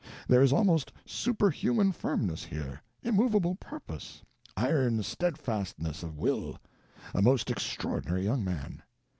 There is almost superhuman firmness here, immovable purpose, iron steadfastness of will. A most extraordinary young man."